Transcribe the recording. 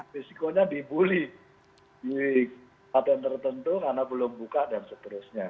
risikonya dibully di patent tertentu karena belum buka dan seterusnya